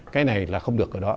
cái này là không được ở đó